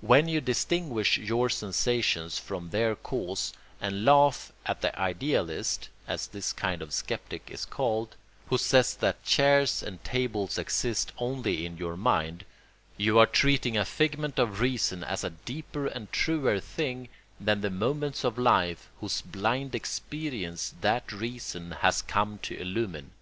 When you distinguish your sensations from their cause and laugh at the idealist (as this kind of sceptic is called) who says that chairs and tables exist only in your mind, you are treating a figment of reason as a deeper and truer thing than the moments of life whose blind experience that reason has come to illumine.